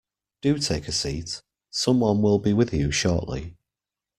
Do take a seat. Someone will be with you shortly.